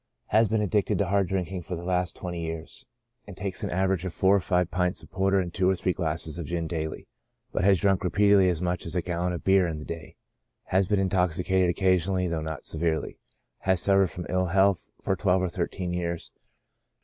II7. Has been addicted to hard drinking for the last twenty years, and takes on an average four or five pints of porter and tvi^o or three glasses of gin daily ; but has drunk repeat edly as much as a gallon of beer in the day. Has been intoxicated occasionally, though not severely; has suffered from ill health for tvi^elve or thirteen years.